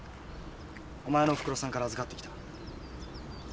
お前のオフクロさんから預かってきた。